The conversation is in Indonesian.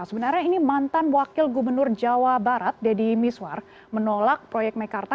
sebenarnya ini mantan wakil gubernur jawa barat deddy miswar menolak proyek mekarta